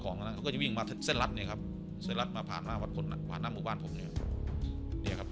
ของจะวิ่งมาเส้นรัดนี่ครับสิ่งหน้ามาผ่านมาจ้างบ้านผมจะ